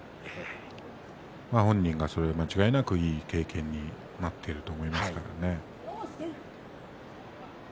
本人にとっては間違いなくいい経験になっていると思います。